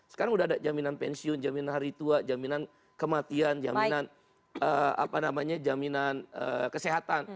sekarang sudah ada jaminan pensiun jaminan hari tua jaminan kematian jaminan jaminan kesehatan